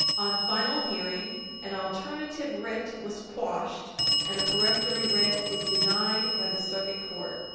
On final hearing, an alternative writ was quashed and a peremptory writ was denied by the Circuit Court.